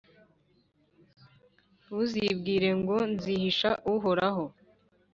Ntuzibwire ngo «Nzihisha Uhoraho,